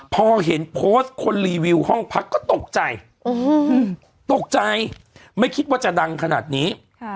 พอเห็นโพสต์คนรีวิวห้องพักก็ตกใจตกใจไม่คิดว่าจะดังขนาดนี้